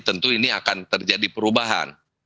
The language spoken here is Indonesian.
tentu ini akan terjadi perubahan